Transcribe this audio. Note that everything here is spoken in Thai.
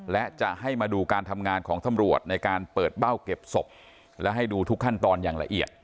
และจะให้มาดูการทำงานของตำรวจในการเปิดเบ้าเก็บศพและให้ดูทุกขั้นตอนอย่างละเอียด